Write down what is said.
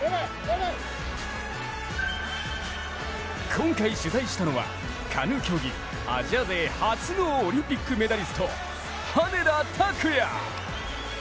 今回取材したのはカヌー競技、アジア勢初のオリンピックメダリスト羽根田卓也。